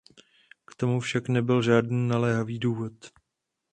K tomu však nebyl žádný naléhavý důvod.